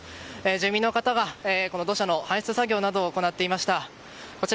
住民の方が土砂の排出作業を行っていました。